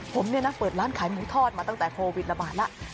ผมเนี่ยนะเปิดร้านขายหมูทอดมาตั้งแต่โควิดระบาดแล้ว